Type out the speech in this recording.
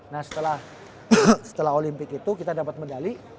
nah setelah olimpik itu kita dapat medali